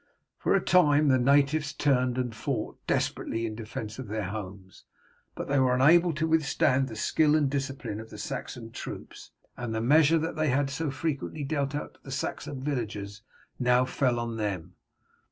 For a time the natives turned and fought desperately in defence of their homes, but they were unable to withstand the skill and discipline of the Saxon troops, and the measure that they had so frequently dealt out to the Saxon villagers now fell on them.